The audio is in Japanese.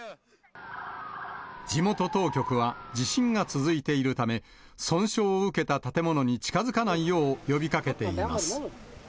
地元当局は地震が続いているため、損傷を受けた建物に近づかないよう呼びかけています。